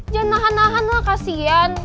jangan nahan nahan lah kasihan